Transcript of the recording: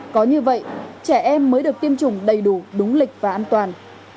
có như vậy trẻ em mới được tiêm chủng đầy đủ đúng lịch và an toàn